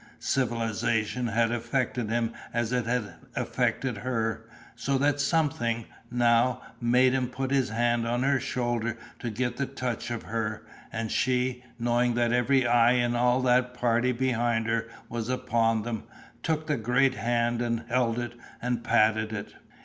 Civilisation had affected him as it had affected her, so that something, now, made him put his hand on her shoulder to get the touch of her, and she, knowing that every eye in all that party behind her was upon them, took the great hand and held it and patted it.